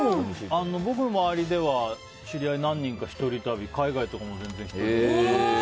僕の周りでは知り合い、一人旅海外とかも全然１人で行く人。